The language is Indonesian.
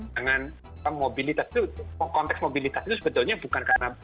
dengan mobilitas itu konteks mobilitas itu sebetulnya bukan karena